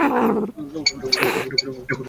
উঠে পড়ো, সোকস।